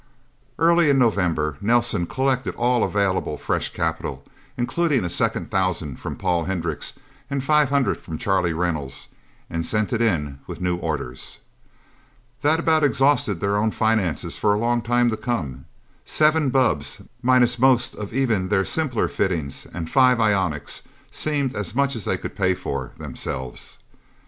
Early in November, Nelsen collected all available fresh capital, including a second thousand from Paul Hendricks and five hundred from Charlie Reynolds, and sent it in with new orders. That about exhausted their own finances for a long time to come. Seven bubbs, minus most of even their simpler fittings, and five ionics, seemed as much as they could pay for, themselves.